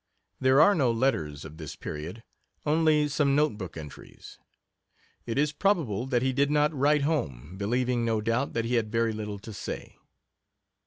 There are no letters of this period only some note book entries. It is probable that he did not write home, believing, no doubt, that he had very little to say.